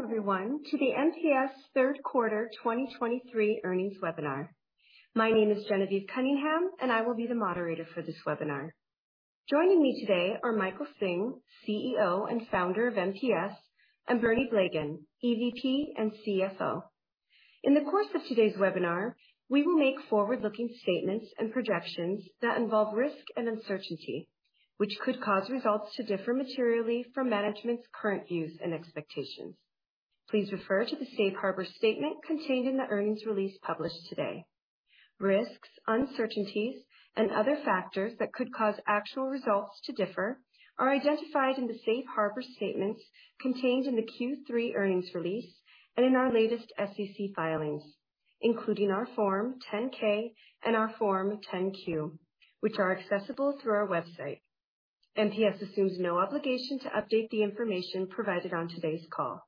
Welcome everyone to the MPS Q3 2023 earnings webinar. My name is Genevieve Cunningham, and I will be the moderator for this webinar. Joining me today are Michael Hsing, CEO and founder of MPS, and Bernie Blegen, EVP and CFO. In the course of today's webinar, we will make forward-looking statements and projections that involve risk and uncertainty, which could cause results to differ materially from management's current views and expectations. Please refer to the safe harbor statement contained in the earnings release published today. Risks, uncertainties, and other factors that could cause actual results to differ are identified in the safe harbor statements contained in the Q3 earnings release and in our latest SEC filings, including our Form 10-K and our Form 10-Q, which are accessible through our website. MPS assumes no obligation to update the information provided on today's call.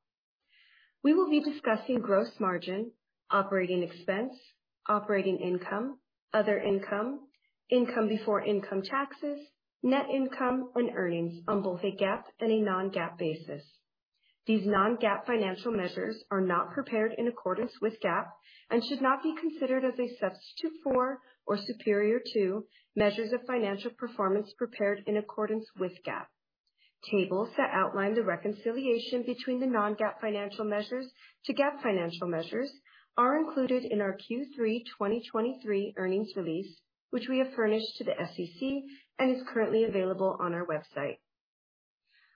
We will be discussing gross margin, operating expense, operating income, other income, income before income taxes, net income, and earnings on both a GAAP and a non-GAAP basis. These non-GAAP financial measures are not prepared in accordance with GAAP and should not be considered as a substitute for or superior to measures of financial performance prepared in accordance with GAAP. Tables that outline the reconciliation between the non-GAAP financial measures to GAAP financial measures are included in our Q3 2023 earnings release, which we have furnished to the SEC and is currently available on our website.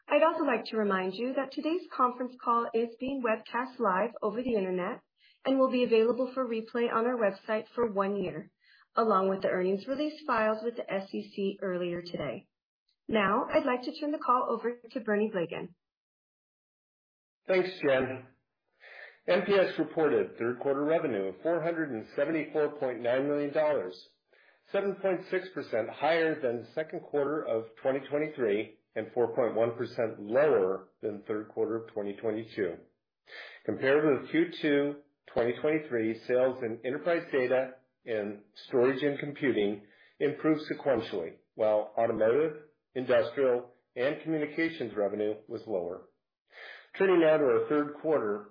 I would also like to remind you that today's conference call is being webcast live over the Internet and will be available for replay on our website for one year, along with the earnings release filed with the SEC earlier today. Now, I would like to turn the call over to Bernie Blegen. Thanks, Jen. MPS reported third quarter revenue of $474.9 million, 7.6% higher than the second quarter of 2023, and 4.1% lower than third quarter of 2022. Compared with Q2 2023, sales in enterprise data and storage and computing improved sequentially, while automotive, industrial, and communications revenue was lower. Turning now to our third quarter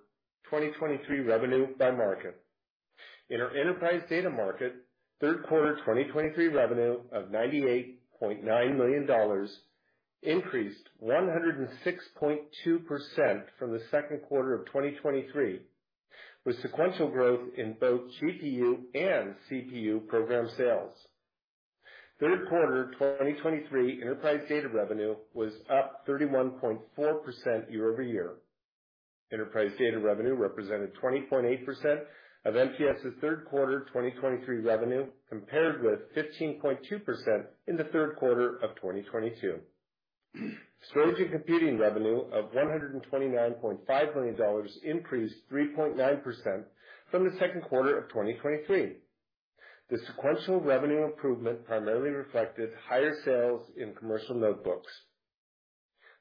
2023 revenue by market. In our enterprise data market, third quarter 2023 revenue of $98.9 million increased 106.2% from the second quarter of 2023, with sequential growth in both GPU and CPU program sales. Third quarter 2023 enterprise data revenue was up 31.4% year-over-year. Enterprise data revenue represented 20.8% of MPS's third quarter 2023 revenue, compared with 15.2% in the third quarter of 2022. Storage and computing revenue of $129.5 million increased 3.9% from the second quarter of 2023. The sequential revenue improvement primarily reflected higher sales in commercial notebooks.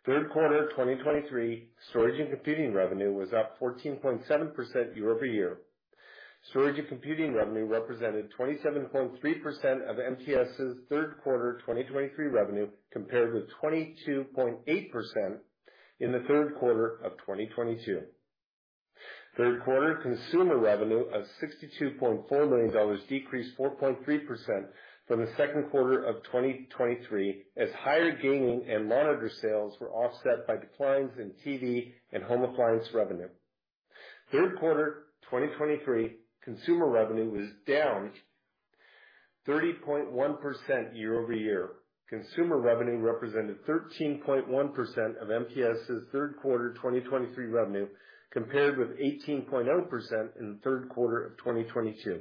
Third quarter 2023 storage and computing revenue was up 14.7% year-over-year. Storage and computing revenue represented 27.3% of MPS's third quarter 2023 revenue, compared with 22.8% in the third quarter of 2022. Third quarter consumer revenue of $62.4 million decreased 4.3% from the second quarter of 2023, as higher gaming and monitor sales were offset by declines in TV and home appliance revenue. Third quarter 2023 consumer revenue was down 30.1% year-over-year. Consumer revenue represented 13.1% of MPS's third quarter 2023 revenue, compared with 18.0% in the third quarter of 2022.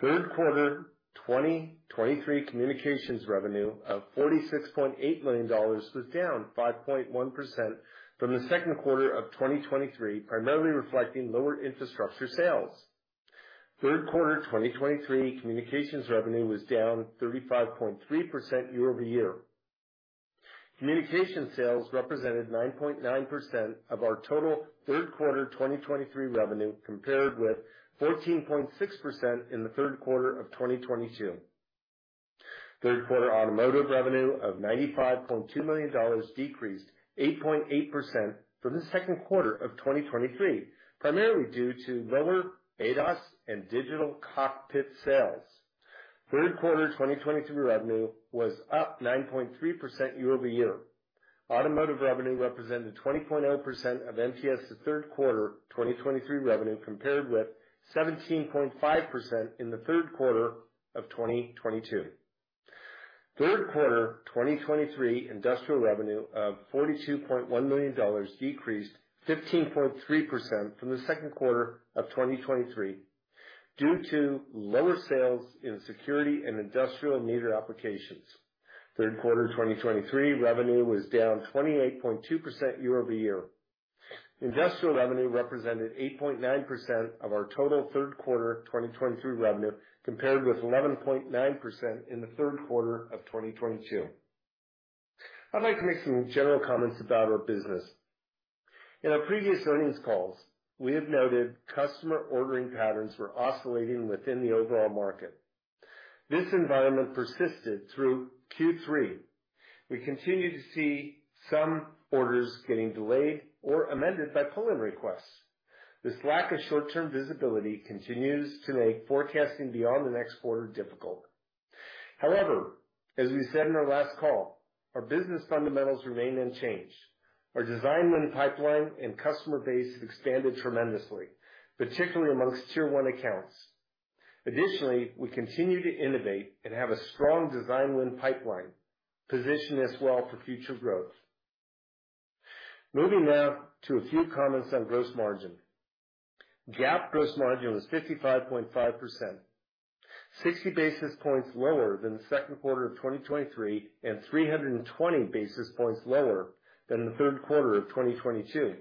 Third quarter 2023 communications revenue of $46.8 million was down 5.1% from the second quarter of 2023, primarily reflecting lower infrastructure sales. Third quarter 2023 communications revenue was down 35.3% year-over-year. Communications revenue represented 9.9% of our total third quarter 2023 revenue, compared with 14.6% in the third quarter of 2022. Third quarter automotive revenue of $95.2 million decreased 8.8% from the second quarter of 2023, primarily due to lower ADAS and Digital Cockpit sales. Third quarter 2023 revenue was up 9.3% year-over-year. Automotive revenue represented 20.0% of MPS's third quarter 2023 revenue, compared with 17.5% in the third quarter of 2022. Third quarter 2023 industrial revenue of $42.1 million decreased 15.3% from the second quarter of 2023 due to lower sales in security and industrial meter applications. Third quarter 2023 industrial revenue was down 28.2% year-over-year. Industrial revenue represented 8.9% of our total third quarter 2023 revenue, compared with 11.9% in the third quarter of 2022. I would like to make some general comments about our business. In our previous earnings calls, we have noted customer ordering patterns were oscillating within the overall market.... This environment persisted through Q3. We continue to see some orders getting delayed or amended by pull-in requests. This lack of short-term visibility continues to make forecasting beyond the next quarter difficult. However, as we said in our last call, our business fundamentals remain unchanged. Our design win pipeline and customer base expanded tremendously, particularly amongst Tier One accounts. Additionally, we continue to innovate and have a strong design win pipeline, which positions us well for future growth. Moving now to a few comments on gross margin. GAAP gross margin was 55.5%, 60 basis points lower than the second quarter of 2023, and 320 basis points lower than the third quarter of 2022.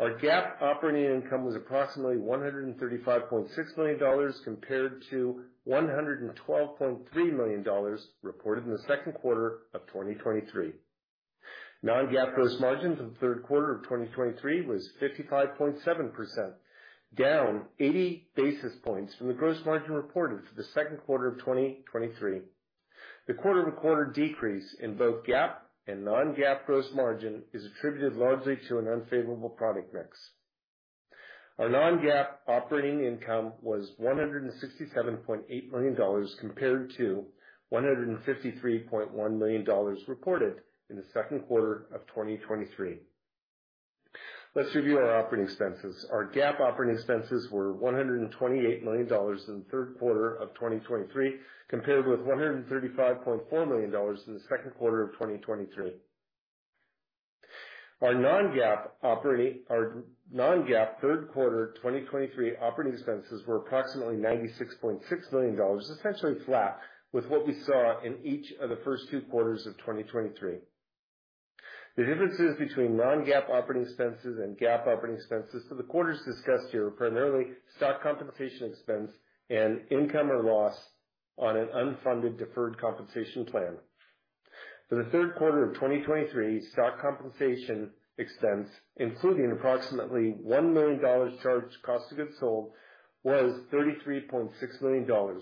Our GAAP operating income was approximately $135.6 million, compared to $112.3 million reported in the second quarter of 2023. Non-GAAP gross margin for the third quarter of 2023 was 55.7%, down 80 basis points from the gross margin reported for the second quarter of 2023. The quarter-to-quarter decrease in both GAAP and non-GAAP gross margin is attributed largely to an unfavorable product mix. Our non-GAAP operating income was $167.8 million, compared to $153.1 million reported in the second quarter of 2023. Let us review our operating expenses. Our GAAP operating expenses were $128 million in the third quarter of 2023, compared with $135.4 million in the second quarter of 2023. Our non-GAAP third quarter 2023 operating expenses were approximately $96.6 million, essentially flat with what we saw in each of the first two quarters of 2023. The differences between non-GAAP operating expenses and GAAP operating expenses for the quarters discussed here are primarily stock compensation expense and income or loss on an unfunded deferred compensation plan. For the third quarter of 2023, stock compensation expense, including approximately $1 million charged cost of goods sold, was $33.6 million,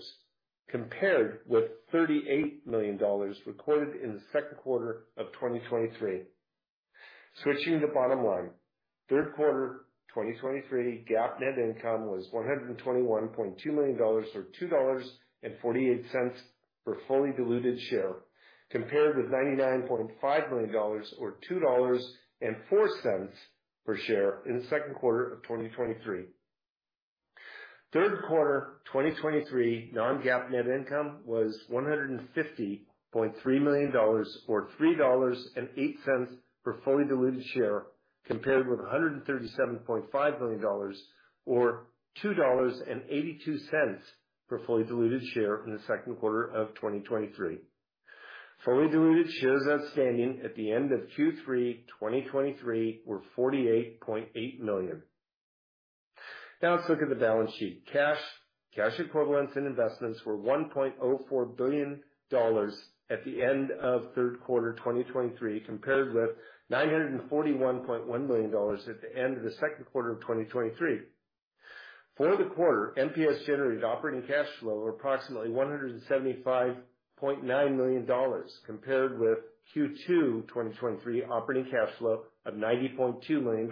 compared with $38 million recorded in the second quarter of 2023. Switching to bottom line, third quarter 2023 GAAP net income was $121.2 million, or $2.48 per fully diluted share, compared with $99.5 million, or $2.04 per share in the second quarter of 2023. Third quarter 2023 non-GAAP net income was $150.3 million, or $3.08 per fully diluted share, compared with $137.5 million, or $2.82 per fully diluted share in the second quarter of 2023. Fully diluted shares outstanding at the end of Q3 2023 were 48.8 million. Now let us look at the balance sheet. Cash, cash equivalents, and investments were $1.04 billion at the end of third quarter 2023, compared with $941.1 million at the end of the second quarter of 2023. For the quarter, MPS generated operating cash flow of approximately $175.9 million, compared with Q2 2023 operating cash flow of $90.2 million.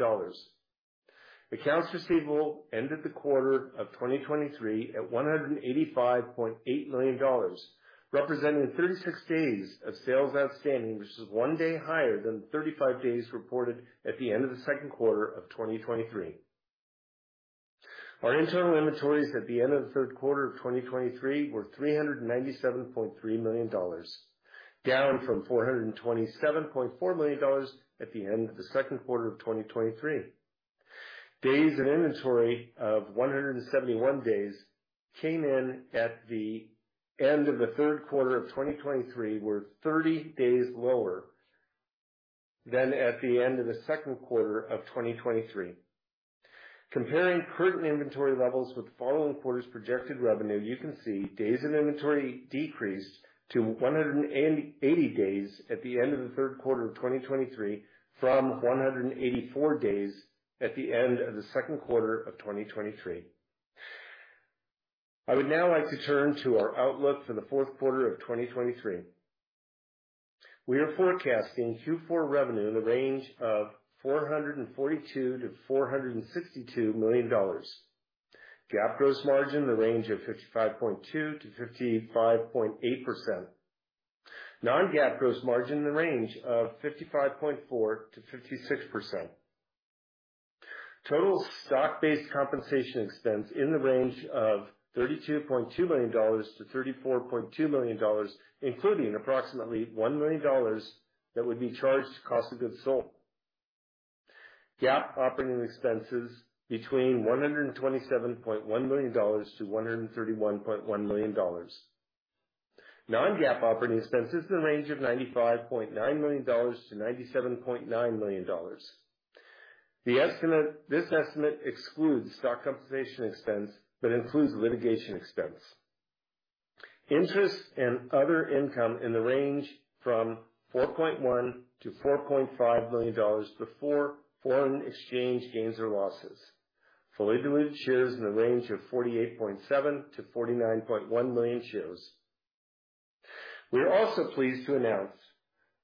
Accounts receivable at the end of the third quarter of 2023 were $185.8 million, representing 36 days of sales outstanding, which is 1 day higher than the 35 days reported at the end of the second quarter of 2023. Our internal inventories at the end of the third quarter of 2023 were $397.3 million, down from $427.4 million at the end of the second quarter of 2023. Days in inventory were 171 days at the end of the third quarter of 2023, which was 30 days lower than at the end of the second quarter of 2023. Comparing current inventory levels with the following quarter's projected revenue, you can see days in inventory decreased to 180 days at the end of the third quarter of 2023 from 184 days at the end of the second quarter of 2023. I would now like to turn to our outlook for the fourth quarter of 2023. We are forecasting Q4 revenue in the range of $442 million - $462 million. GAAP gross margin in the range of 55.2% - 55.8%. Non-GAAP gross margin in the range of 55.4% - 56%. Total stock compensation expense in the range of $32.2 million - $34.2 million, including approximately $1 million that would be charged to cost of goods sold. GAAP operating expenses between $127.1 million - $131.1 million. Non-GAAP operating expenses in the range of $95.9 million - $97.9 million. This estimate excludes stock compensation expense, but includes litigation expense. Interest and other income in the range from $4.1 million - $4.5 million before foreign exchange gains or losses. Fully diluted shares in the range of 48.7 million - 49.1 million shares. We are also pleased to announce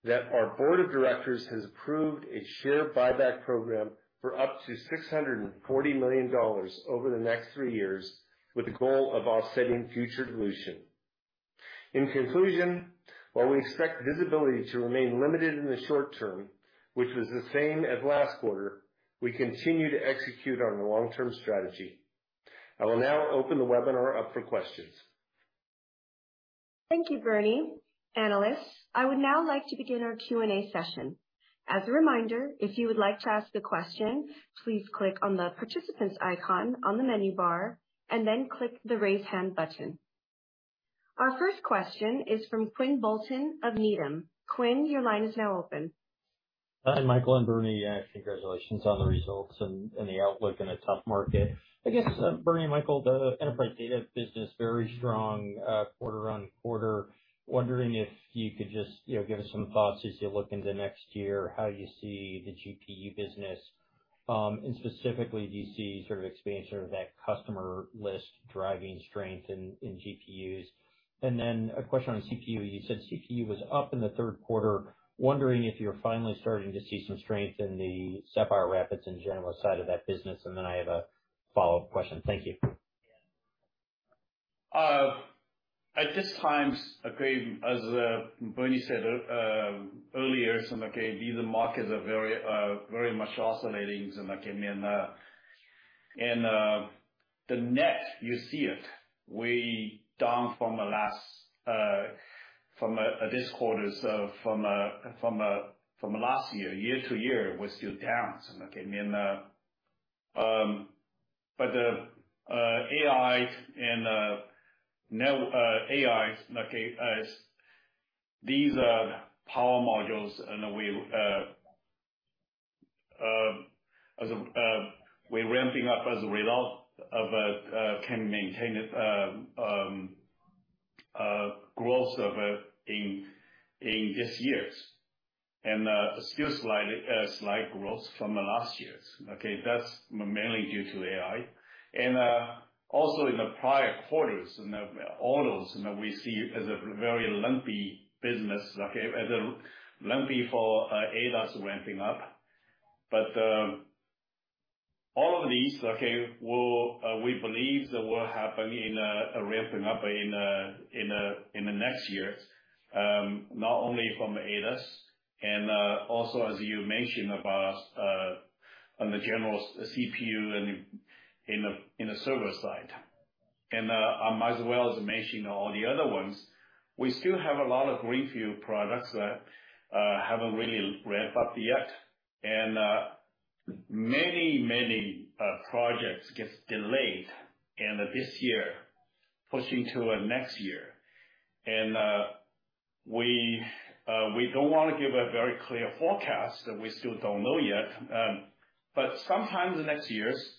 that our board of directors has approved a share buyback program for up to $640 million over the next three years, with the goal of offsetting future dilution. In conclusion, while we expect visibility to remain limited in the short term, which was the same as last quarter, we continue to execute on the long-term strategy. I will now open the webinar up for questions. Thank you, Bernie. Analysts, I would now like to begin our Q&A session. As a reminder, if you would like to ask a question, please click on the participant's icon on the menu bar and then click the Raise Hand button. Our first question is from Quinn Bolton of Needham. Quinn, your line is now open. Hi, Michael and Bernie, congratulations on the results and the outlook in a tough market. I guess, Bernie, Michael, the enterprise data business, very strong quarter on quarter. Wondering if you could just, you know, give us some thoughts as you look into next year, how you see the GPU business. Specifically, do you see expansion of that customer list driving strength in GPUs? And then a question on CPU. You said CPU was up in the third quarter. Wondering if you are finally starting to see some strength in the Sapphire Rapids and general side of that business. And then I have a follow-up question. Thank you. At this time, as Bernie said earlier, these markets are very much oscillating, and, the net, you see it way down from the last, from this quarter's, from last year, year-over-year, we are still down. Okay. AI, these are power modules, and we are ramping up as a result of growth in this year, and, a slight growth from the last year. Okay, that is mainly due to AI. Also in the prior quarters, and autos, and we see as a very lumpy business, as a lumpy for ADAS ramping up. All of these, we believe that will happen in a ramping up in the next year, not only from ADAS and also, as you mentioned, about on the general CPU and in the server side. And I might as well mention all the other ones. We still have a lot of greenfield products that have not really ramped up yet, and many, many projects gets delayed, and this year, pushing to next year. And we do not want to give a very clear forecast that we still do not know yet, but sometime in the next years,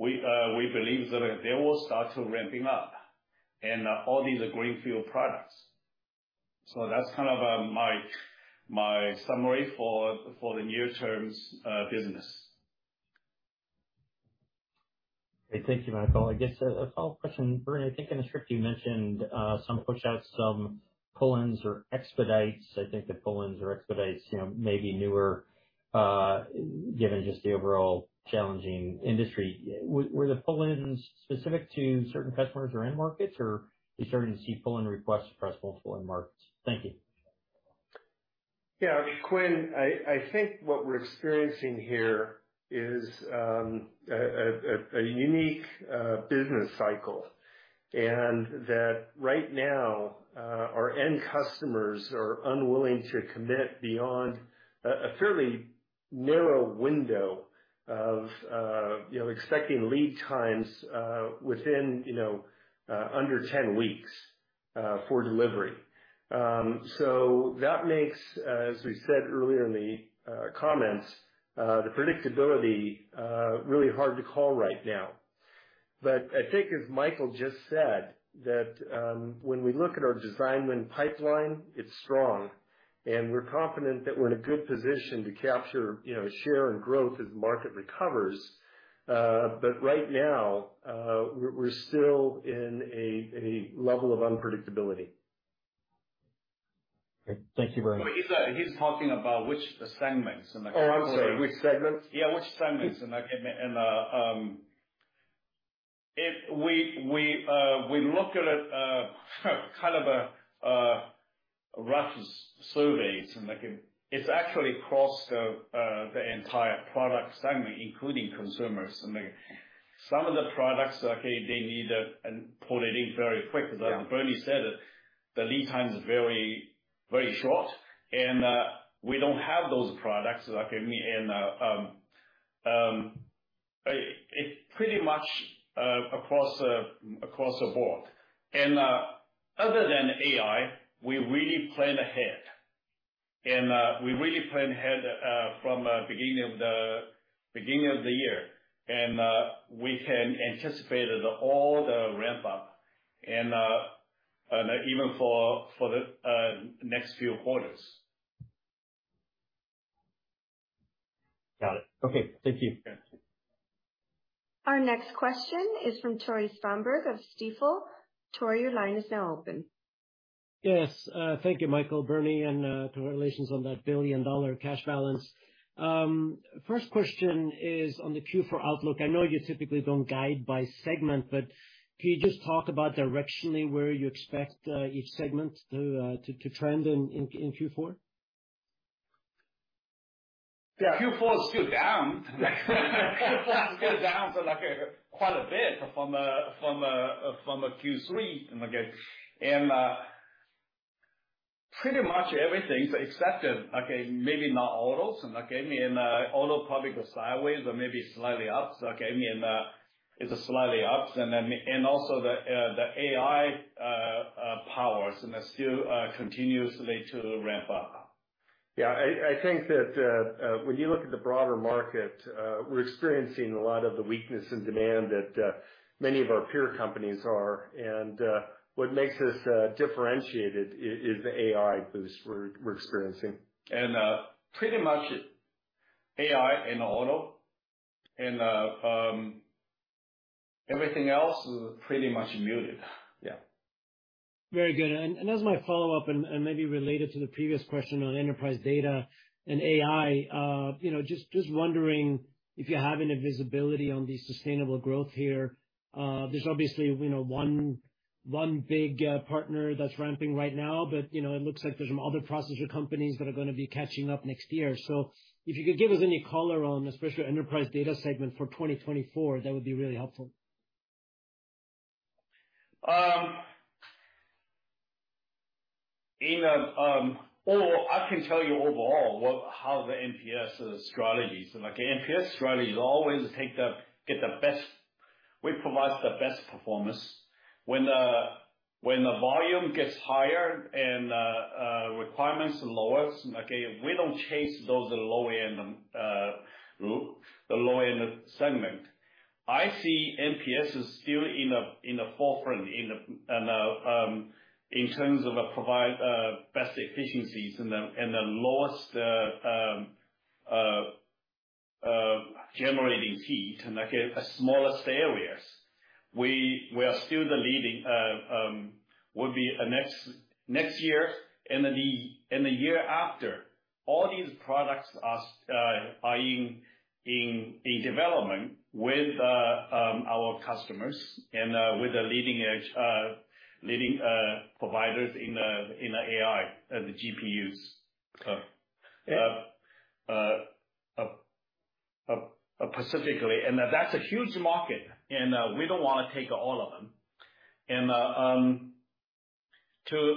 we believe that they will start to ramping up and all these are greenfield products. That is my summary for the near terms business. Okay. Thank you, Michael. I guess a follow-up question. Bernie, I think in the script you mentioned some pushouts, some pull-ins or expedites. I think the pull-ins or expedites, you know, may be newer given just the overall challenging industry. Were the pull-ins specific to certain customers or end markets, or are you starting to see pull-in requests across multiple end markets? Thank you. Quinn, I think what we are experiencing here is a unique business cycle, and that right now, our end customers are unwilling to commit beyond a fairly narrow window of you know, expecting lead times within you know, under 10 weeks for delivery. So that makes, as we said earlier in the comments, the predictability really hard to call right now. But I think as Michael just said, that when we look at our design win pipeline, it's strong, and we are confident that we are in a good position to capture you know, share and growth as the market recovers. But right now, we are still in a level of unpredictability. Okay. Thank you, Bernie. He is talking about which segments- Oh, I am sorry, which segments? Which segments, and if we look at it as rough surveys, it's actually across the entire product segment, including consumers. Some of the products, okay, they need pull it in very quick- Yeah. As Bernie said, the lead time is very, very short, and we do not have those products, okay. It pretty much across the board. Other than AI, we really plan ahead from the beginning of the year, and we had anticipated all the ramp up and even for the next few quarters. Got it. Okay, thank you. Our next question is from Tore Svanberg of Stifel. Tore, your line is now open. Yes, thank you, Michael, Bernie, and congratulations on that $1 billion cash balance. First question is on the Q4 outlook. I know you typically do not guide by segment, but can you just talk about directionally where you expect each segment to trend in Q4? Yeah, Q4 is still down. Q4 is still down for, like, quite a bit from Q3, okay? And, pretty much everything is expected, okay, maybe not autos, okay, and, autos probably go sideways or maybe slightly up, okay? And, it's slightly up, and then, and also the, the AI powers, and that is still, continuously to ramp up. Yeah, I think that when you look at the broader market, we are experiencing a lot of the weakness in demand that many of our peer companies are. And what makes us differentiated is the AI boost we are experiencing. Pretty much AI and auto, and everything else is pretty much muted. Yeah. Very good. And as my follow-up, maybe related to the previous question on enterprise data and AI, you know, just wondering if you are having a visibility on the sustainable growth here. There's obviously, you know, one big partner that is ramping right now, but, you know, it looks like there's some other processor companies that are going to be catching up next year. If you could give us any color on, especially enterprise data segment for 2024, that would be really helpful. Or I can tell you overall what, how the MPS strategy is. Like, MPS strategy is always take the, get the best - we provide the best performance. When the volume gets higher and requirements lowers, okay, we do not chase those low-end group, the low-end segment. I see MPS is still in the forefront, in terms of provide best efficiencies and the lowest generating heat, and like, smallest areas. We are still the leading will be next year and the year after. All these products are in development with our customers and with the leading-edge providers in the AI GPU space. Specifically, and that is a huge market, and we do not want to take all of them. To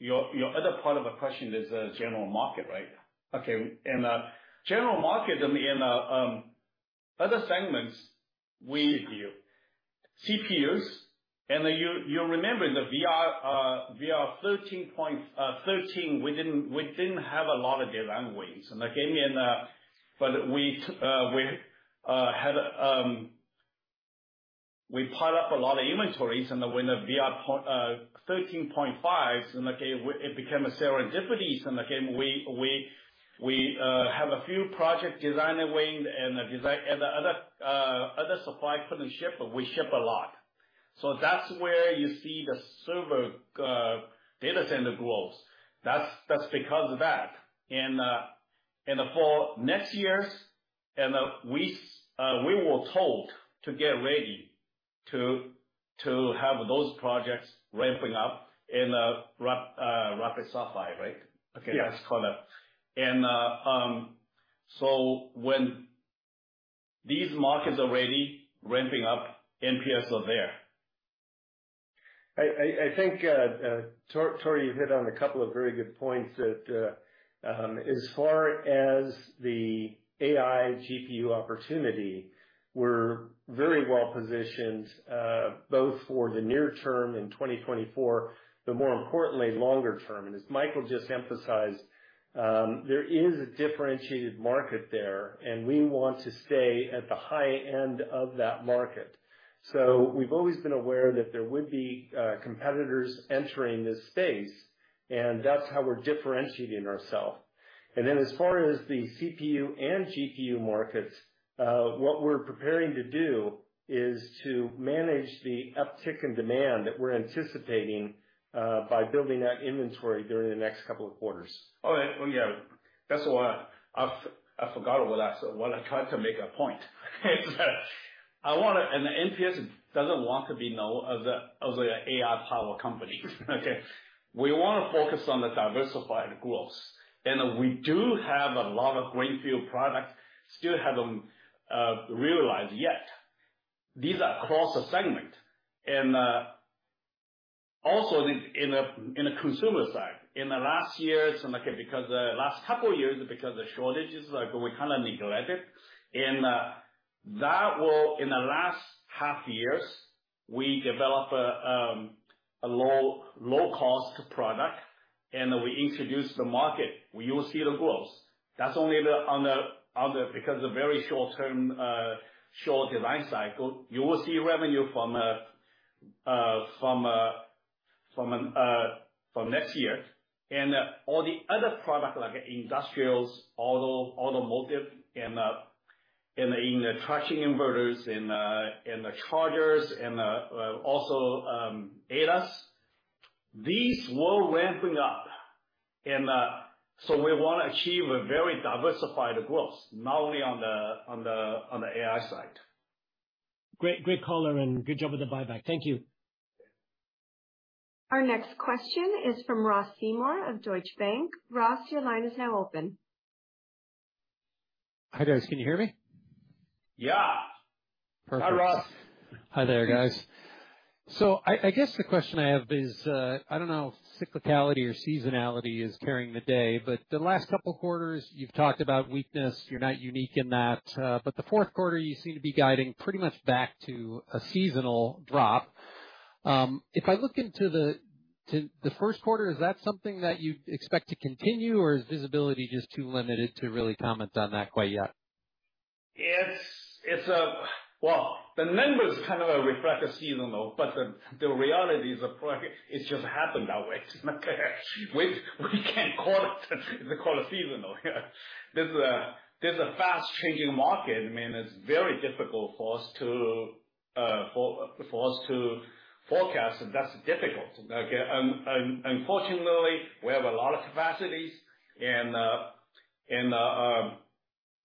your other part of the question is general market, right? Okay, general market, other segments CPUs, and you remember the VR13, we didn't have a lot of design wins, and again, but we had, we piled up a lot of inventory during the VR 13.5s cycle, and okay, it became a serendipity, and again, we have a few project design win and the other supply couldn't ship, but we shipped a lot. That is where you see the server data center growth. That is because of that. For next years, and, we, we were told to get ready to, to have those projects ramping up rapidly, right? Yes. Okay. When these markets are ready, ramping up, MPS is there. Tore, you hit on a couple of very good points that, as far as the AI GPU opportunity, we are very well positioned, both for the near term in 2024, but more importantly, longer term. And as Michael just emphasized, there is a differentiated market there, and we want to stay at the high end of that market. We have always been aware that there would be competitors entering this space, and that is how we are differentiating ourselves. And then as far as the CPU and GPU markets, what we are preparing to do is to manage the uptick in demand that we are anticipating, by building that inventory during the next couple of quarters. That is why I, I forgot about that. So while I try to make a point, I want to-- and MPS doesn't want to be known as an AI power company, okay? We want to focus on the diversified growth, and we do have a lot of greenfield products still haven't realized yet. These are cross-segment and also in a, in a consumer side, in the last years, and because the last couple of years, because the shortages, we neglected, and that will, in the last half years, we develop a, a low, low-cost product, and we introduce the market. You will see the growth. Because of very short-term, short design cycle, you will see revenue from... from next year. All the other product, like industrials, auto, automotive, and in the trucking inverters and the chargers and also ADAS, these will ramping up. So we want to achieve a very diversified growth, not only on the AI side. Great color, and good job with the buyback. Thank you. Our next question is from Ross Seymore of Deutsche Bank. Ross, your line is now open. Hi, guys. Can you hear me? Yeah. Perfect. Hi, Ross. Hi there, guys. So I guess the question I have is, I do not know if cyclicality or seasonality is carrying the day, but the last couple of quarters, you have talked about weakness. You are not unique in that, but the fourth quarter, you seem to be guiding pretty much back to a seasonal drop. If I look to the first quarter, is that something that you would expect to continue, or is visibility just too limited to really comment on that quite yet? The numbers reflect the seasonal, but the reality is, it just happened that way, okay? We can't call it seasonal. There's a fast-changing market. It's very difficult for us to forecast, that is difficult, okay? Unfortunately, we have a lot of capacities,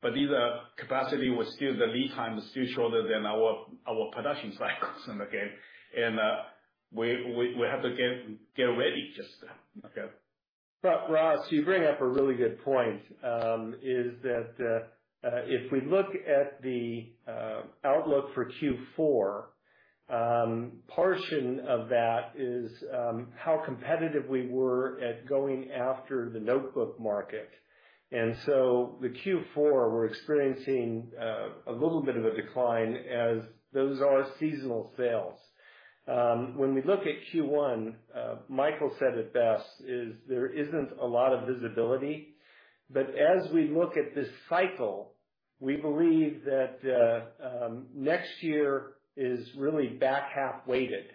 but these are capacity with still the lead time is still shorter than our production cycles, okay? We have to get ready just, okay. Ross, you bring up a really good point is that if we look at the outlook for Q4, portion of that is how competitive we were at going after the notebook market. The Q4, we are experiencing a little bit of a decline as those are seasonal sales. When we look at Q1, Michael said it best, there isn't a lot of visibility. As we look at this cycle, we believe that next year is really back-half weighted.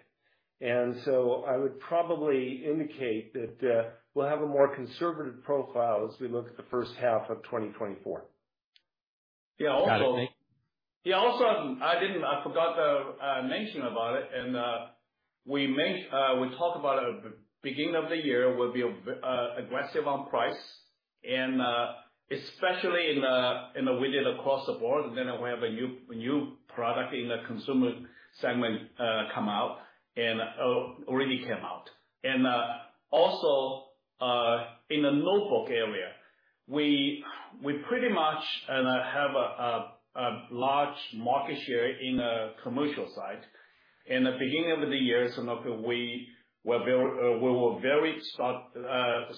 And so I would probably indicate that we will have a more conservative profile as we look at the first half of 2024. Got it. Also, I forgot to mention about it, and we talked about it at the beginning of the year. We will be aggressive on price and especially in the widget across the board. Then we have a new product in the consumer segment come out and already came out. Also, in the notebook area, we pretty much have a large market share in the commercial side. In the beginning of the year we were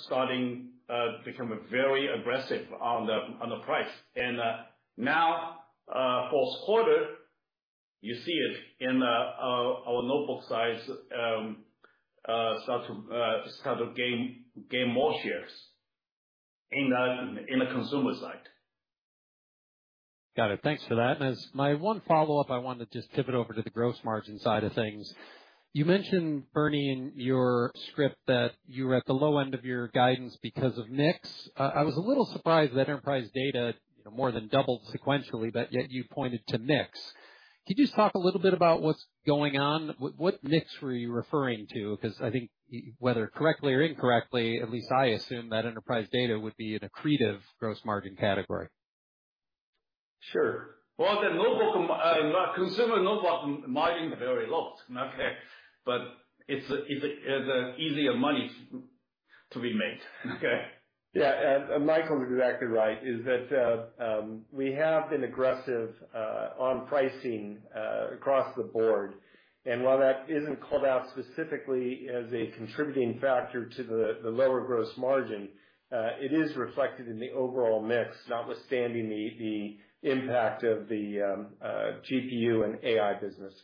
starting to become very aggressive on pricing. Now, fourth quarter, you see it in our notebook size start to gain more shares in the consumer side. Got it. Thanks for that. As my one follow-up, I wanted to just tip it over to the gross margin side of things. You mentioned, Bernie, in your script, that you were at the low end of your guidance because of mix. I was a little surprised that enterprise data, you know, more than doubled sequentially, but yet you pointed to mix. Could you just talk a little bit about what's going on? What, what mix were you referring to? Because I think, whether correctly or incorrectly, at least I assume that enterprise data would be an accretive gross margin category. Sure. Well, the notebook, consumer notebook margin is very low, okay? But it's easier money to be made, okay? Michael is exactly right, that we have been aggressive on pricing across the board. While that isn't called out specifically as a contributing factor to the lower gross margin, it is reflected in the overall mix, notwithstanding the impact of the GPU and AI business.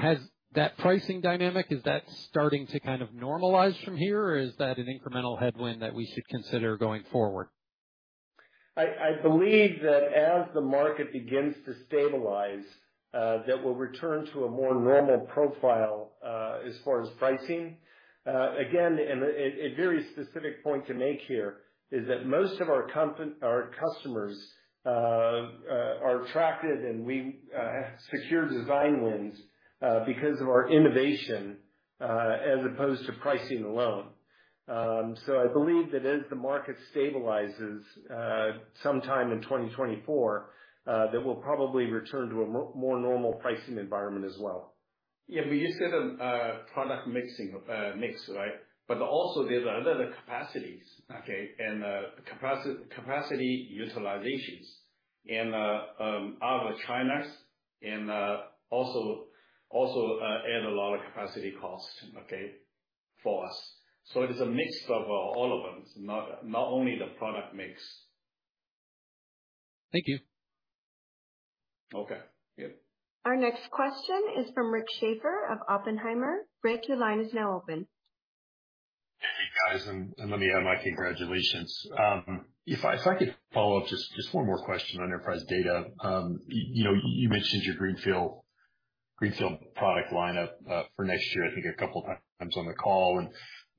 Has that pricing dynamic, is that starting to normalize from here, or is that an incremental headwind that we should consider going forward? I believe that as the market begins to stabilize, that we will return to a more normal profile, as far as pricing. Again, a very specific point to make here is that most of our customers are attracted, and we secure design wins because of our innovation, as opposed to pricing alone. So I believe that as the market stabilizes, sometime in 2024, that we will probably return to a more normal pricing environment as well. We just get product mix effects, right? But also there are additional capacities, okay, and capacity utilizations, and out of China, and it also adds a lot of capacity costs, okay, for us. So it is a mix of all of them, not only the product mix. Thank you. Okay. Yeah. Our next question is from Rick Schafer of Oppenheimer. Rick, your line is now open. Let me add my congratulations. If I could follow up, just one more question on enterprise data. You know, you mentioned your greenfield product lineup for next year, I think a couple times on the call, and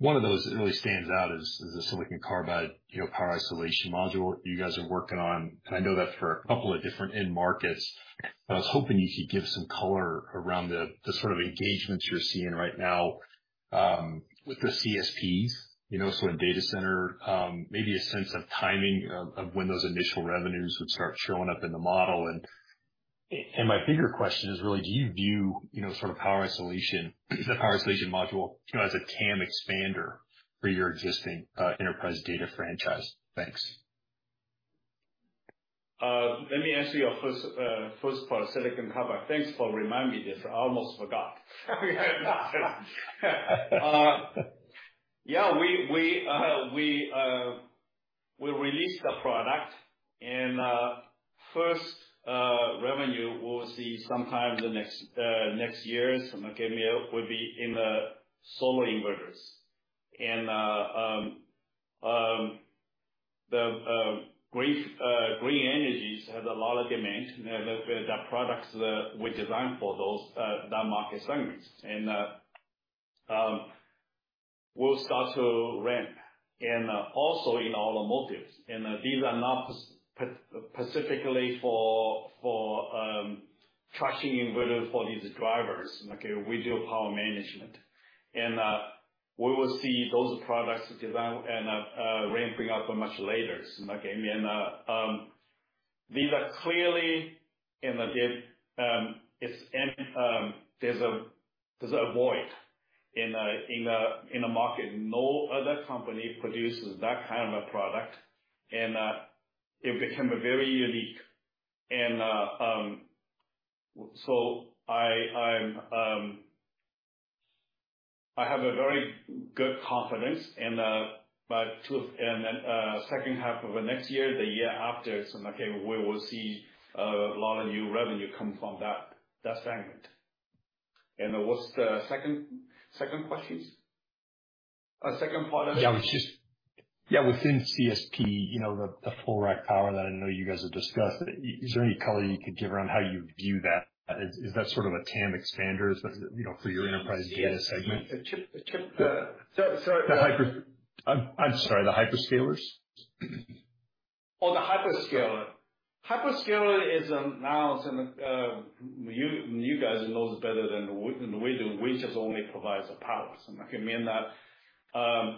one of those that really stands out is the silicon carbide power isolation module you guys are working on, and I know that is for a couple of different end markets. I was hoping you could give some color around the engagements you are seeing right now with the CSPs, you know, so in data center, maybe a sense of timing of when those initial revenues would start showing up in the model. My bigger question is really: do you view power isolation as a TAM expander for your existing enterprise data franchise? Thanks. Let me answer your first part, silicon carbide. Thanks for reminding me this. I almost forgot. Yeah, we released the product, and first revenue we will see sometime next year, so okay, would be in the solar inverters. And the green energies have a lot of demand, the products that we design for those market segments. We will start to ramp, and also in automotive, and these are not specifically for traction inverters, for these drivers, okay? We do power management. And we will see those products develop and ramping up much later, okay. These are clearly in the end. There's a void in the market. No other company produces that a product, and it became very unique. So I have a very good confidence in by two, and then second half of the next year, the year after, so okay, we will see a lot of new revenue come from that segment. What's the second question? Second part of it? Within CSP, the full rack power that I know you guys have discussed, is there any color you could give around how you view that? Is that a TAM expander, you know, for your enterprise data segment? The hyperscalers? Hyperscaler is now you guys know this better than we do. We just only provide the power, okay?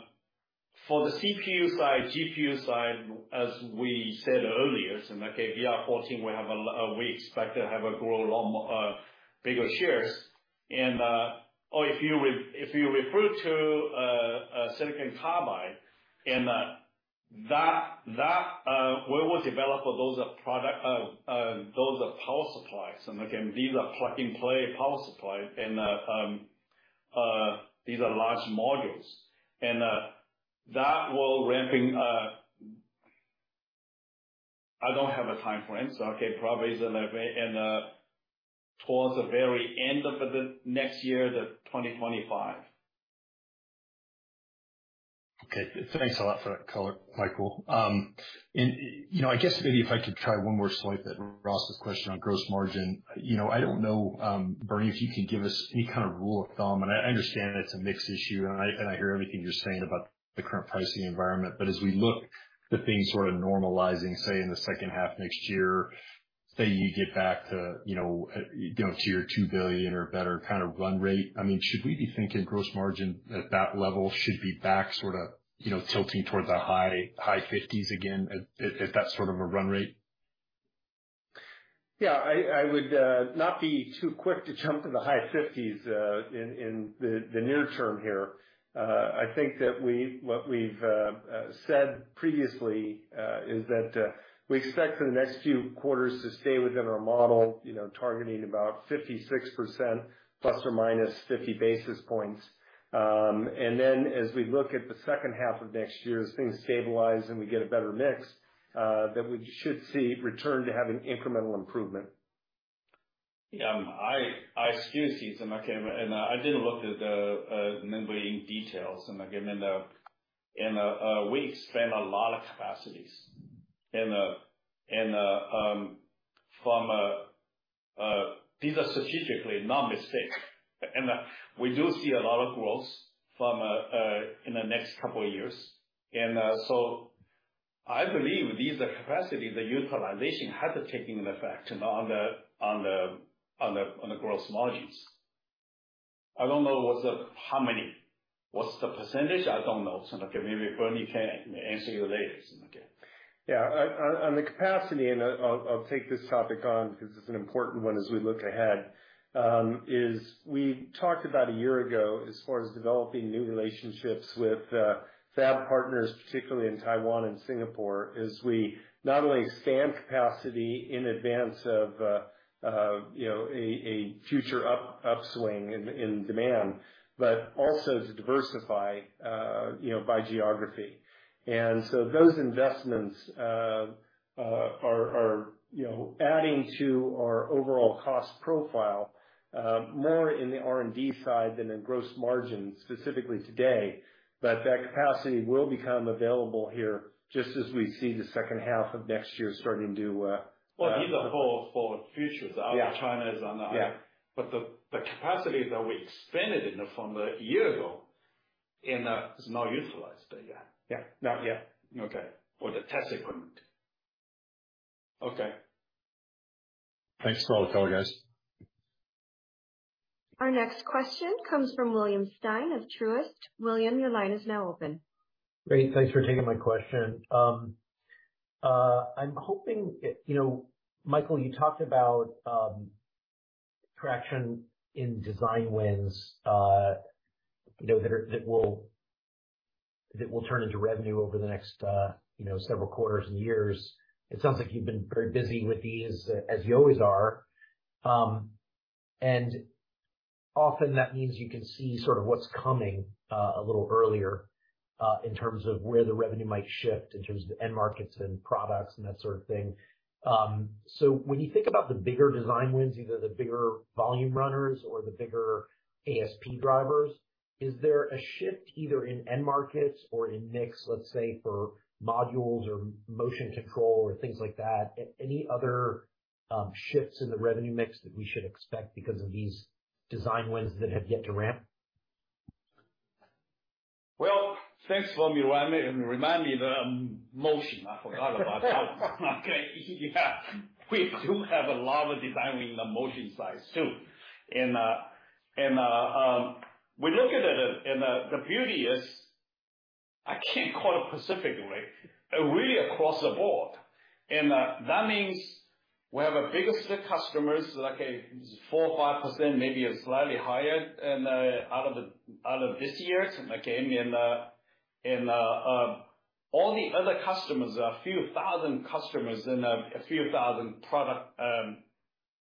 For the CPU side, GPU side, as we said earlier, so, okay, VR14, we expect to have a grow a lot more bigger shares. Or if you refer to silicon carbide, and that, that we will develop those product, those are power supplies, and again, these are plug and play power supply, and these are large modules, and that will ramping. I do not have a timeframe, so, okay, probably in towards the very end of the next year, the 2025. Okay. Thanks a lot for that color, Michael. And you know, I guess maybe if I could try one more swipe at Ross's question on gross margin. Bernie, if you can give us any rule of thumb, and I understand it's a mixed issue, and I hear everything you are saying about the current pricing environment, but as we look to things normalizing, say, in the second half of next year, say, you get back to, you know, to your $2 billion or better run rate, should we be thinking gross margin at that level should be back tilting towards the high 50s% again, at that a run rate? I would not be too quick to jump to the high 50s in the near term here. I think that what we have said previously is that we expect for the next few quarters to stay within our model, you know, targeting about 56%, ±50 basis points. As we look at the second half of next year, as things stabilize and we get a better mix, then we should see return to having incremental improvement. I excuse you, so okay, and I did look at the non-GAAP details, and again, we spent a lot of capacity and from a these are strategically not mistake. And we do see a lot of growth from in the next couple of years. I believe these are capacity the utilization has taken effect on the gross margins. I do not know what's the how many what's the percentage? I do not know. So okay, maybe Bernie can answer you later. Okay. On the capacity, and I will take this topic on because it's an important one as we look ahead, as we talked about a year ago, as far as developing new relationships with fab partners, particularly in Taiwan and Singapore, as we not only stand capacity in advance of you know, a future upswing in demand, but also to diversify you know, by geography. Those investments are you know, adding to our overall cost profile more in the R&D side than in gross margin, specifically today. That capacity will become available here, just as we see the second half of next year starting to Well, these are for future. Yeah. China is on the- Yeah. But the capacity that we expanded from a year ago is now utilized again. Yeah. No, yeah. Okay. For the test equipment. Okay. Thanks for all the color, guys. Our next question comes from William Stein of Truist. William, your line is now open. Great. Thanks for taking my question. I am hoping, you know, Michael, you talked about traction in design wins, you know, that will, that will turn into revenue over the next, you know, several quarters and years. It sounds like you have been very busy with these, as you always are. Often, that means you can see what's coming a little earlier in terms of where the revenue might shift, in terms of end markets and products and that thing. So when you think about the bigger design wins, either the bigger volume runners or the bigger ASP drivers, is there a shift either in end markets or in mix, let us say, for modules or motion control or things like that? Any other shifts in the revenue mix that we should expect because of these design wins that have yet to ramp? Thanks for reminding me the motion. I forgot about that. Okay. We do have a lot of design wins in the motion side, too. We look at it, and the beauty is, I can't call it specifically, really across the board. That means we have our biggest customers, like 4 or 5%, maybe slightly higher, out of this year, okay? All the other customers, a few thousand customers and a few thousand products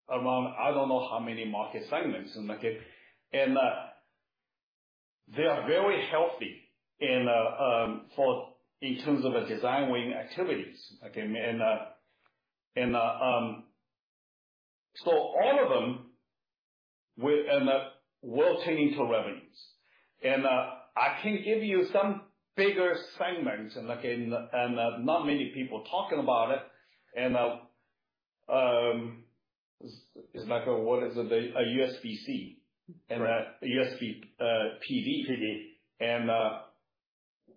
around, I do not know how many market segments, okay. They are very healthy, in terms of the design win activities. Okay, so all of them will turn into revenues. I can give you some bigger segments, and okay, and not many people talking about it, and it's like a, what is it? a USB-C. Right. And a USB PD. PD.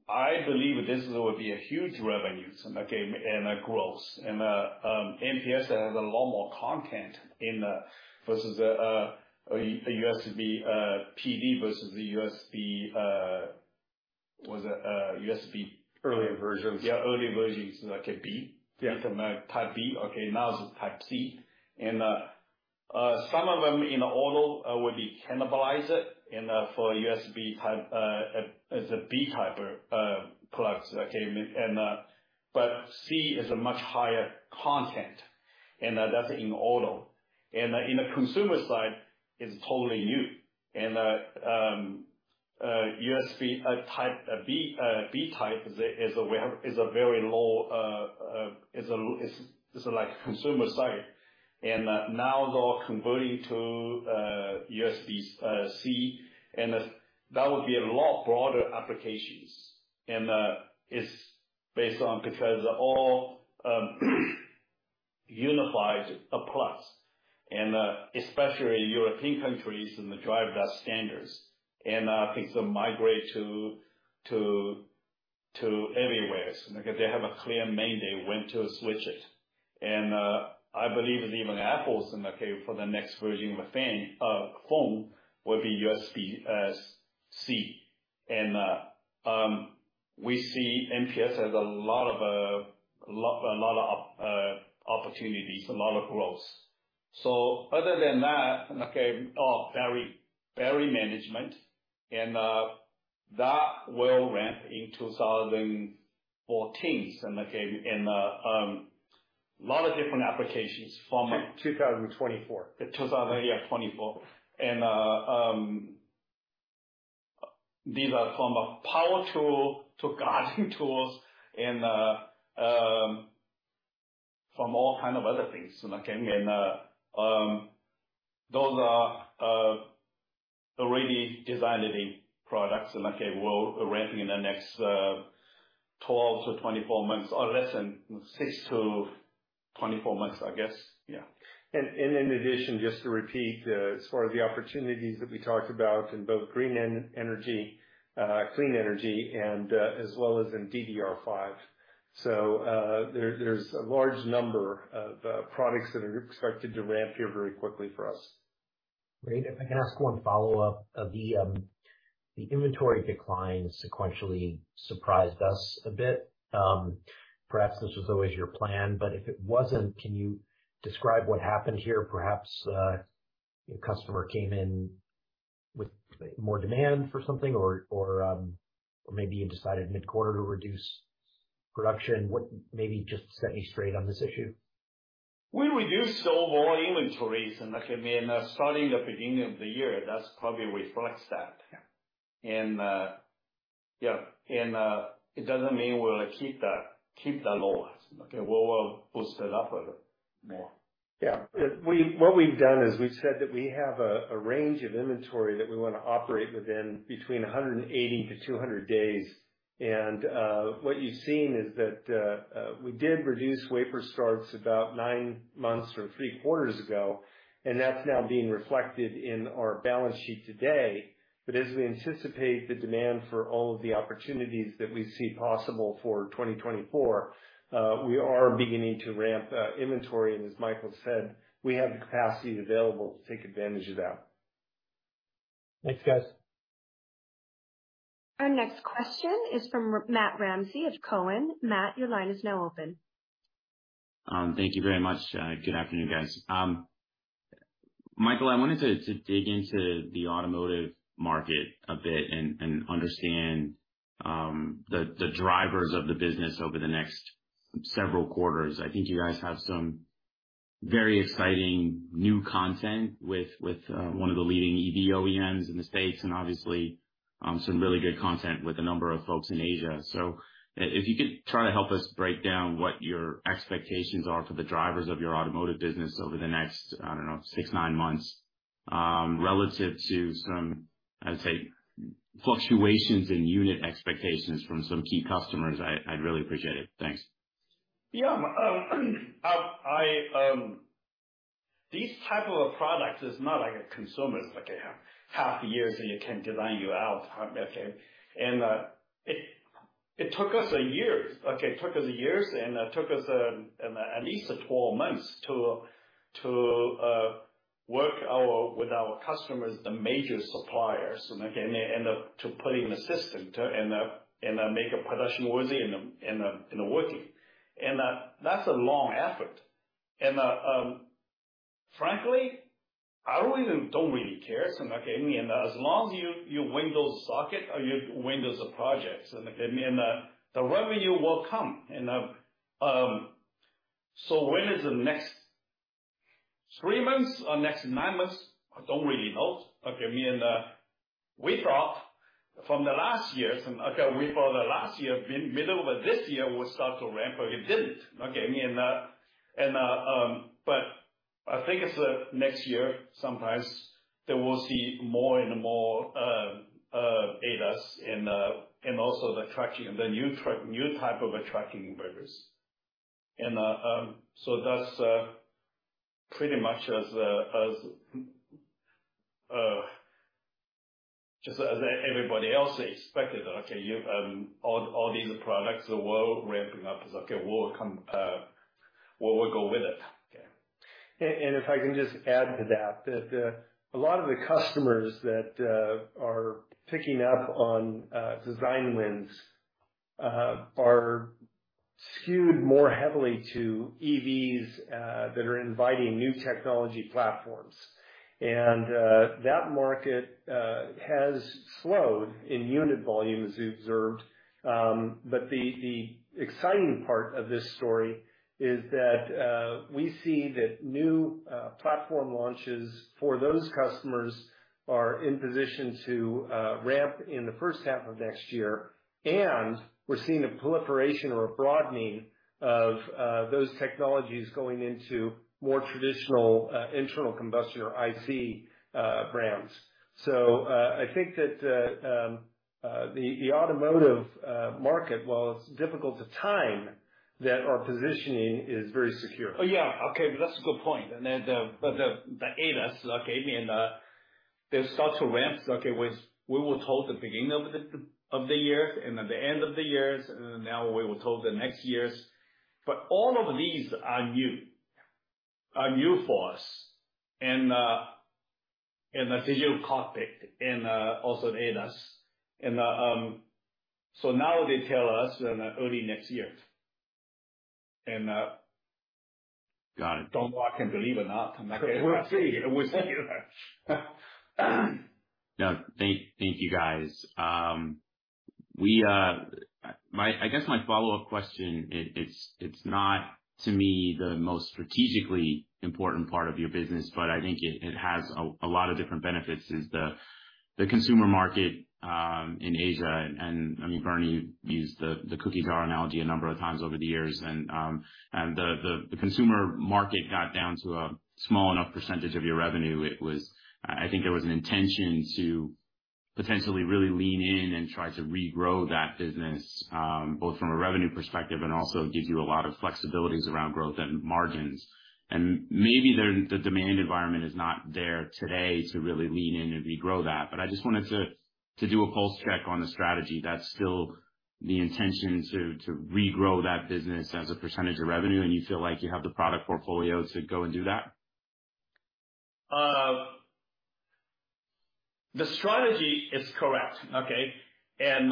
I believe this will be huge revenues, okay, and a growth. MPS has a lot more content in versus a USB PD versus the USB, what is it? USB- Earlier versions. Yeah, earlier versions, like a B. Yeah. Type B, okay, now it's type C. And some of them in auto will be cannibalized, and for USB type, it's a B type products. Okay, and but C is a much higher content, and that is in auto. And in the consumer side, it's totally new. And USB type B, B type is a we have- is a very low, is like consumer side. Now they are converting to USB C, and that would be a lot broader applications. And it's based on because all unifies a plus, and especially European countries and drive that standards, and it's a migrate to, to anywhere. Because they have a clear mandate when to switch it. I believe even Apple's for the next version of the phone will be USB-C. And, we see MPS has a lot of opportunities, a lot of growth. So other than that, battery management, and that will ramp in 2014s, and lot of different applications from- 2024. 2024. These are from a power tool to garden tools and from all kinds of other things, okay. Those are already designed products, and okay, will ramp in the next 12-24 months or less than 6-24 months, I guess. Yeah. In addition, just to repeat, as far as the opportunities that we talked about in both green energy and clean energy as well as in DDR5, there's a large number of products that are expected to ramp here very quickly for us. Great. If I can ask one follow-up? The inventory decline sequentially surprised us a bit. Perhaps this was always your plan, but if it wasn't, can you describe what happened here? Perhaps a customer came in with more demand for something, or, or, or maybe you decided mid-quarter to reduce production. Maybe just set me straight on this issue. We reduced overall inventories, and starting the beginning of the year, that is probably reflects that. Yes. It doesn't mean we will keep that, keep that low, okay? We will boost it up a little more. What we have done is we have said that we have a range of inventory that we want to operate within between 180-200 days. What you have seen is that, we did reduce wafer starts about nine months or three quarters ago, and that is now being reflected in our balance sheet today. As we anticipate the demand for all of the opportunities that we see possible for 2024, we are beginning to ramp inventory, and as Michael said, we have the capacity available to take advantage of that. Thanks, guys. Our next question is from Matt Ramsay of Cowen. Matt, your line is now open. Thank you very much. Good afternoon, guys. Michael, I wanted to dig into the automotive market a bit and understand the drivers of the business over the next several quarters. I think you guys have some very exciting new content with one of the leading EV OEMs in the States, and obviously some really good content with a number of folks in Asia. If you could try to help us break down what your expectations are for the drivers of your automotive business over the next, I do not know, six, nine months, relative to some, I would say, fluctuations in unit expectations from some key customers, I would really appreciate it. Thanks. These type of products is not like a consumer. It's like a half years, and it can design you out, okay? It took us a year, okay, it took us a years and it took us, at least 12 months to work with our customers, the major suppliers, and, okay, to put in a system to, and make a production worthy and working. That is a long effort. Frankly, I really do not really care, so as long as you win those socket or you win those projects, the revenue will come. When is the next three months or next nine months? I do not really know. Okay, we thought the last year, mid to middle of this year, we start to ramp, but it didn't. Okay, but I think it's next year, sometimes that we will see more and more ADAS and also the traction, the new traction, new type of traction vehicles. And so that is pretty much just as everybody else expected, okay, you all these products, we are ramping up. Okay, we will come, we will go with it. Okay. If I can just add to that, a lot of the customers that are picking up on design wins are skewed more heavily to EVs that are inviting new technology platforms. And that market has slowed in unit volumes observed, but the exciting part of this story is that we see that new platform launches for those customers are in position to ramp in the first half of next year, and we are seeing a proliferation or a broadening of those technologies going into more traditional internal combustion or IC brands. I think that the automotive market, while it's difficult to time, that our positioning is very secure. Okay, that is a good point. Then the ADAS. They start to ramp as we were told the beginning of the year and at the end of the years, and now we were told the next years. But all of these are new, are new for us, and the Digital Cockpit and also ADAS. So now they tell us in early next year. Got it. I do not know I can believe or not. We will see. We will see. Thank you, guys. I guess my follow-up question, it's not, the most strategically important part of your business, but I think it has a lot of different benefits, is the consumer market in Asia. Bernie used the cookie jar analogy a number of times over the years. And the consumer market got down to a small enough percentage of your revenue. I think there was an intention to potentially really lean in and try to regrow that business, both from a revenue perspective and also gives you a lot of flexibilities around growth and margins. And maybe the demand environment is not there today to really lean in and regrow that. I just wanted to do a pulse check on the strategy. That is still the intention, to regrow that business as a percentage of revenue, and you feel like you have the product portfolio to go and do that? The strategy is correct, okay? It's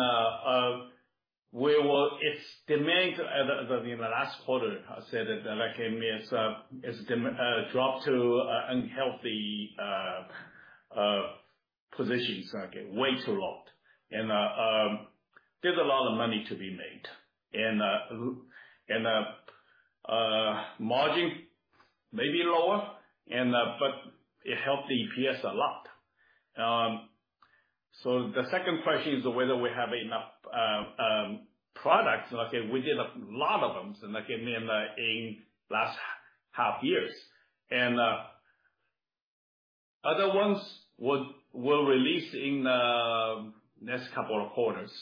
demand in the last quarter. I said that. It's dropped to unhealthy positions, okay, way too low. And, there's a lot of money to be made, and margins maybe lower, but it helped the EPS a lot. So the second question is whether we have enough products. Okay, we did a lot of them, and again, in the last half years. Other ones we will release in the next couple of quarters,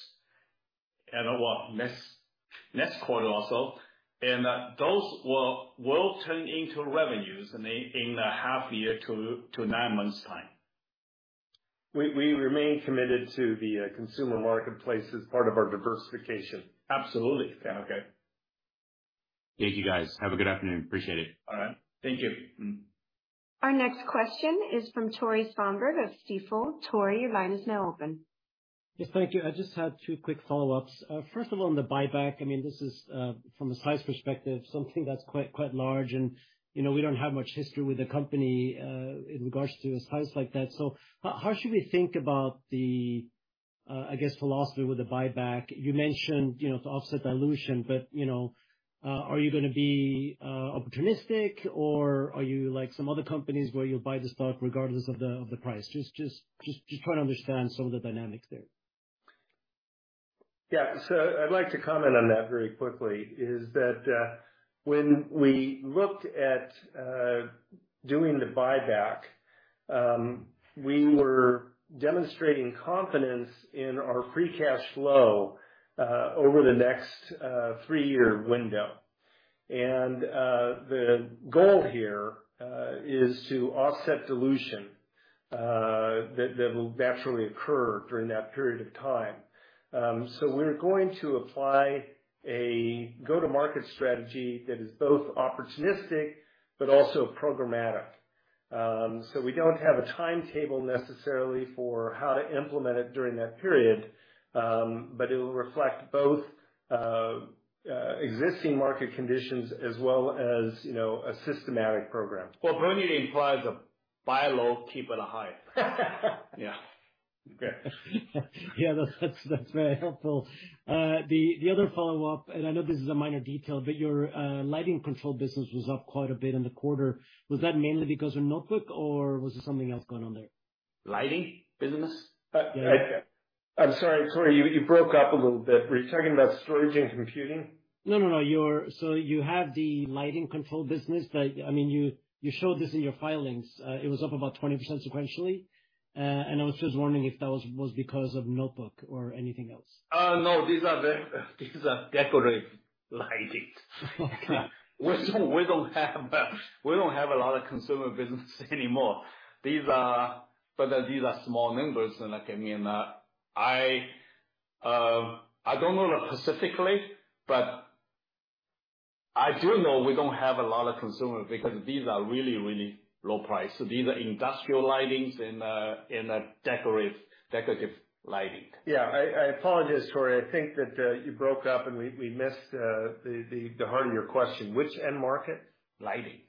and well, next quarter also, and those will turn into revenues in the half year to nine months' time. We remain committed to the consumer marketplace as part of our diversification. Absolutely. Okay. Thank you, guys. Have a good afternoon. Appreciate it. All right. Thank you. Our next question is from Tore Svanberg of Stifel. Tore, your line is now open. Yes, thank you. I just had two quick follow-ups. First of all, on the buyback, from a size perspective, something that is quite large, and we do not have much history with the company, in regards to a size like that. How should we think about the, I guess, philosophy with the buyback? You mentioned to offset dilution, but are you going to be opportunistic, or are you like some other companies where you will buy the stock regardless of the price? Just trying to understand some of the dynamics there. I would like to comment on that very quickly, is that, when we looked at, doing the buyback, we were demonstrating confidence in our free cash flow, over the next, three-year window. And, the goal here, is to offset dilution, that, that will naturally occur during that period of time. We are going to apply a go-to-market strategy that is both opportunistic but also programmatic. We do not have a timetable necessarily for how to implement it during that period, but it will reflect both, existing market conditions as well as, you know, a systematic program. Well, Bernie implies a buy low, keep it high. Yeah. Okay. That is very helpful. The other follow-up, and I know this is a minor detail, but your lighting control business was up quite a bit in the quarter. Was that mainly because of notebook, or was there something else going on there? Lighting business? I am sorry, Tore, you broke up a little bit. Were you talking about storage and computing? No, no, no. You have the lighting control business, but, you showed this in your filings. It was up about 20% sequentially, and I was just wondering if that was because of notebook or anything else. No, these are decorative lighting. We do not have a lot of consumer business anymore. These are... But these are small numbers, and, I do not know specifically, but I do know we do not have a lot of consumer, because these are really, really low price. So these are industrial lighting and, and decorative, decorative lighting. I apologize, Tore. I think that you broke up, and we missed the heart of your question. Which end market? Lighting.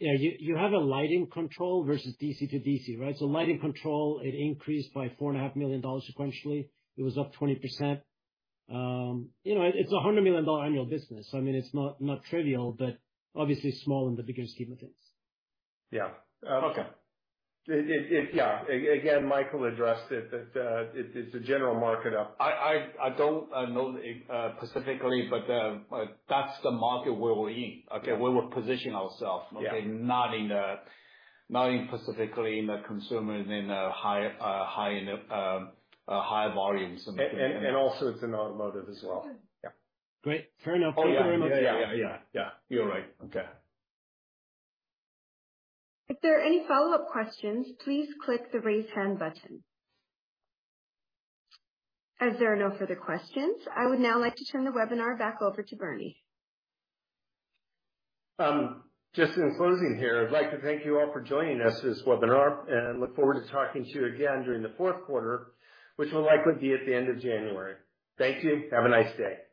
You have a lighting control versus DC-to-DC, right? So lighting control, it increased by $4.5 million sequentially. It was up 20%. You know, it's a $100 million annual business, it's not trivial, but obviously small in the bigger scheme of things. Yeah. Okay. Again, Michael addressed it, that it's a general market up. I do not know specifically, but that is the market where we are in, okay? Where we position ourselves. Yes. Okay, not specifically in the consumer, and in the high volumes. Also it's in automotive as well. Yeah. Great. Fair enough. Yes, you are right. Okay. If there are any follow-up questions, please click the Raise Hand button. As there are no further questions, I would now like to turn the webinar back over to Bernie. Just in closing here, I would like to thank you all for joining us this webinar, and I look forward to talking to you again during the fourth quarter, which will likely be at the end of January. Thank you. Have a nice day.